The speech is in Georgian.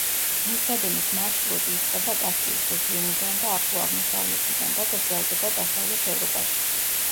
მილსადენის მარშრუტი იწყება კასპიის რეგიონიდან და ახლო აღმოსავლეთიდან და გრძელდება დასავლეთ ევროპაში.